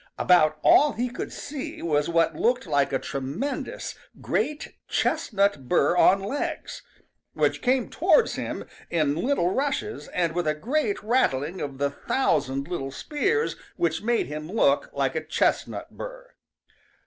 About all he could see was what looked like a tremendous great chestnut burr on legs, which came towards him in little rushes and with a great rattling of the thousand little spears which made him look like a chestnut burr.